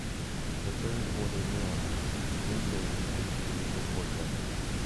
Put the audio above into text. The third order neuron then goes to the cerebral cortex.